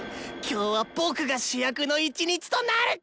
今日は僕が主役の一日となる！